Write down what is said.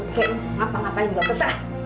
kayak ngapa ngapain gak pesah